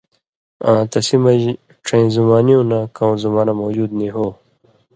آں تسی مژ ڇَیں زُمانِیوں نہ کؤں زُمانہ موجود نی ہو